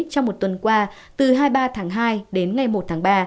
trong một tuần qua từ hai mươi ba tháng hai đến ngày một tháng ba